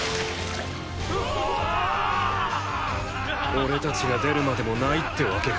俺たちが出るまでもないってわけか！